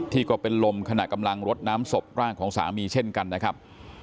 ก็เป็นลมขณะกำลังรดน้ำศพร่างของสามีเช่นกันนะครับ